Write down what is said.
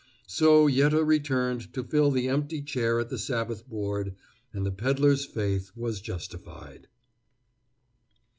So Yette returned to fill the empty chair at the Sabbath board, and the peddler's faith was justified.